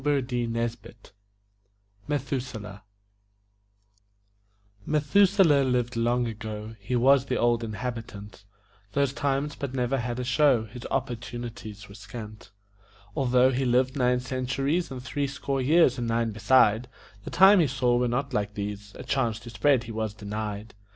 METHUSELAH Methuselah lived long ago He was the Old Inhabitant Those times, but never had a show; His opportunities were scant. Although he lived nine centuries And three score years and nine beside, The times he saw were not like these, A chance to spread he was denied.